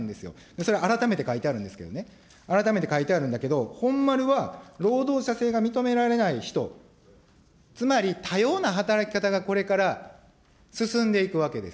それを改めて書いてあるんですけどね、改めて書いてあるんだけど、本丸は、労働者性が認められない人、つまり多様な働き方がこれから進んでいくわけです。